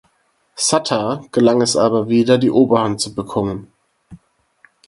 Sattar gelang es aber wieder die Oberhand zu bekommen.